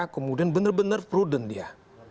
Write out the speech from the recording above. kemudian benar benar prudent dia